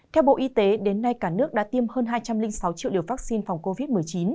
theo bộ y tế đến nay cả nước đã tiêm hơn hai trăm linh sáu triệu liều vaccine phòng covid một mươi chín